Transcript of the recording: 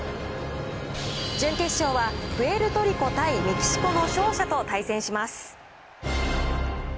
準決勝はプエルトリコ対メキシコの勝者と対戦します。